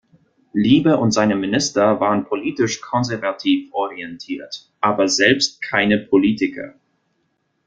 Liebe und seine Minister waren politisch konservativ orientiert, aber selbst keine Politiker.